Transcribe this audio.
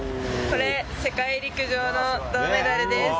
これ、世界陸上の銅メダルです。